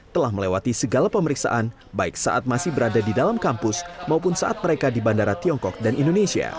telah melewati segala pemeriksaan baik saat masih berada di dalam kampus maupun saat mereka di bandara tiongkok dan indonesia